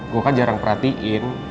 gue kan jarang perhatiin